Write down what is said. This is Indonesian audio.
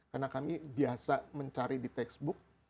karena kami biasa mencari di textbook